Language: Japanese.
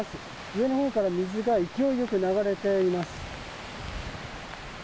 上のほうから水が勢いよく流れています。